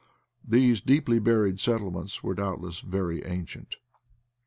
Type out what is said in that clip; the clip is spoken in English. These deeply buried settlements were doubtless very ancient.